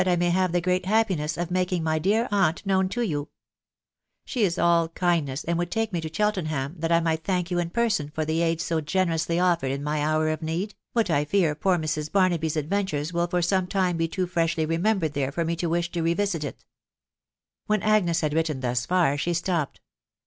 I may have the great happiness of making my dear aunt known to you 1 She is all kindness, and would take me to Cheltenham, that I might thank you in person for the aid so generously offered in my hour of need, hut I fear poor Mrs* Bamaby's adventures will for some time be too freshly remembered there for me to wish to revisit it," When Agnes had written thus far, she stopped.